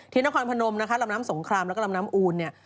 นครพนมนะคะลำน้ำสงครามแล้วก็ลำน้ำอูนเนี่ย